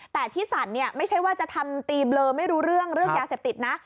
แต่ที่สั่นเนี่ยไม่ใช่ว่าจะทำตีเบลอไม่รู้เรื่องเรื่องยาเสพติดนะ